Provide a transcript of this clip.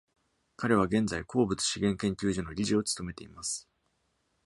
彼は現在、鉱物資源研究所の理事を務めています。